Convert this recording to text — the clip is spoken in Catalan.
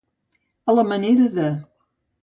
A la manera de.